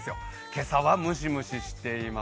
今朝はムシムシしています。